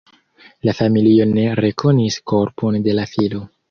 La familio ne rekonis korpon de la filo.